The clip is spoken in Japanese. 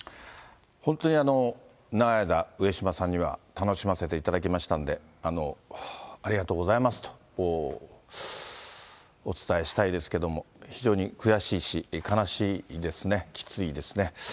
本当に長い間、上島さんには、楽しませていただきましたんで、ありがとうございますと、お伝えしたいですけれども、非常に悔しいし悲しいですね、きついですね。